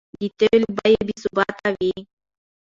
د تېلو بیې بې ثباته وې؛